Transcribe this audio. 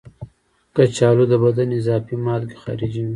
کچالو د بدن اضافي مالګې خارجوي.